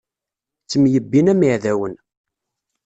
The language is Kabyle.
Ttemyebbin am iɛdawen.